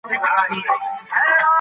وخت په بشپړه توګه په دغه ځای کې ودرېد.